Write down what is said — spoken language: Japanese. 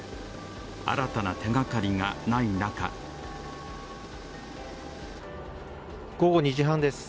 新たな手がかりがない中午後２時半です。